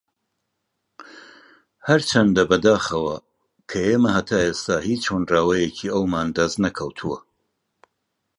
ھەرچەندە بەداخەوە کە ئێمە ھەتا ئێستا ھیچ ھۆنراوەیەکی ئەومان دەست نەکەوتووە